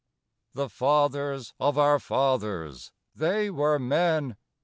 _ I The fathers of our fathers, they were men!